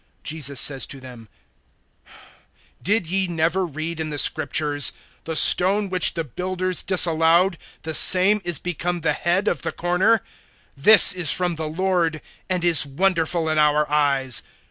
(42)Jesus says to them: Did ye never read in the Scriptures: The stone which the builders disallowed, The same is become the head of the corner; This is from the Lord, And is wonderful in our eyes.